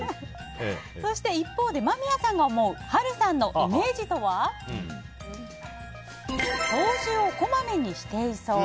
そして一方で間宮さんが思う波瑠さんのイメージとは？掃除をこまめにしていそう。